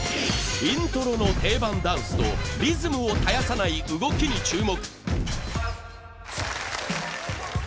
イントロの定番ダンスとリズムを絶やさない動きに注目。